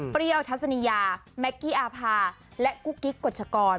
เปรี้ยวทัศนียาแม็กกี้อาผาและกุกกิ๊กกรรชกร